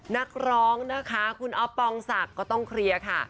นักร้องนะคะคุณอ๊อฟปองศักดิ์ก็ต้องเคลียร์ค่ะ